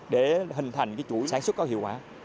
để hình thành chuỗi sản xuất có hiệu quả